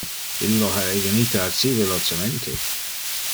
Illo ha evenite assi velocemente.